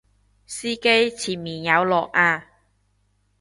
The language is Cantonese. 司機前面有落啊！